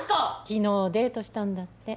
昨日デートしたんだって。